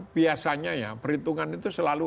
biasanya ya perhitungan itu selalu